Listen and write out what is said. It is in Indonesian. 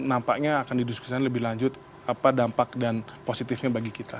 jadi nampaknya akan didiskusikan lebih lanjut apa dampak dan positifnya bagi kita